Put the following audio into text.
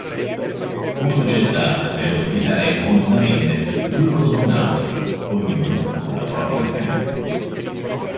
Fu progettata per ospitare comodamente due cosmonauti, ognuno con la propria cabina.